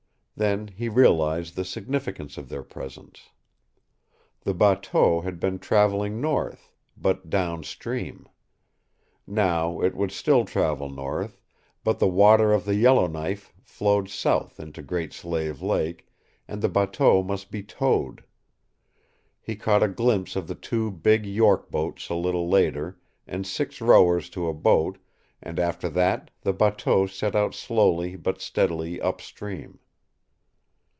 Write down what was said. Then he realized the significance of their presence. The bateau had been traveling north, but downstream. Now it would still travel north, but the water of the Yellow knife flowed south into Great Slave Lake, and the bateau must be towed. He caught a glimpse of the two big York boats a little later, and six rowers to a boat, and after that the bateau set out slowly but steadily upstream.